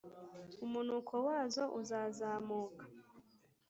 Umunuko wazo uzazamuka